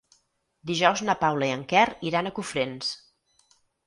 Dijous na Paula i en Quer iran a Cofrents.